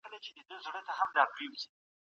صفر هيڅ نه ښيي.